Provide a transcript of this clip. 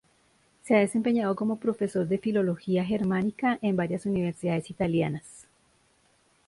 Se ha desempeñado como profesor de filología germánica en varias universidades italianas.